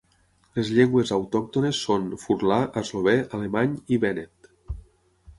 Les llengües autòctones són: furlà, eslovè, alemany i vènet.